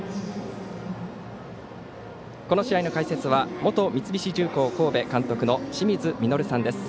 この試合の解説は元三菱重工神戸監督の清水稔さんです。